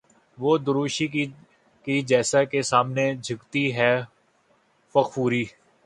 وہ درویشی کہ جس کے سامنے جھکتی ہے فغفوری